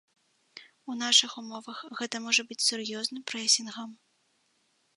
У нашых умовах гэта можа быць сур'ёзным прэсінгам.